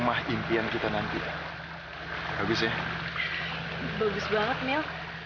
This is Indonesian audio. sampai tidurnya kayak anak bayi